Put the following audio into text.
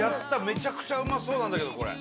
めちゃくちゃうまそうなんだけどこれ。